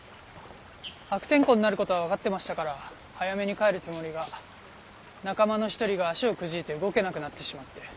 悪天候になる事はわかってましたから早めに帰るつもりが仲間の一人が足をくじいて動けなくなってしまって。